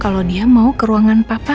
kalau dia mau ke ruangan papa